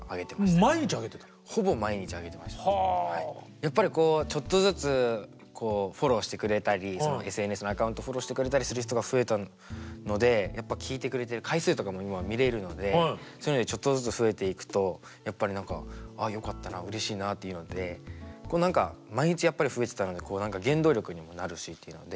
やっぱりこうちょっとずつフォローしてくれたりＳＮＳのアカウントをフォローしてくれたりする人が増えたのでやっぱ聴いてくれてる回数とかも今は見れるのでそういうのでちょっとずつ増えていくとやっぱり何かあっよかったなうれしいなっていうので毎日やっぱり増えてたので原動力にもなるしっていうので。